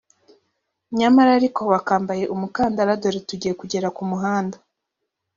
nyamara ariko wakambaye umukandara dore tugiye kugera mu muhanda